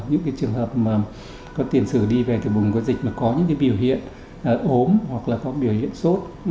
những trường hợp mà có tiền sử đi về từ vùng có dịch mà có những biểu hiện ốm hoặc là có biểu hiện sốt